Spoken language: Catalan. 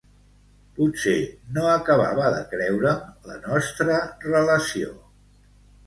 Potser no acabava de creure’m la nostra relació.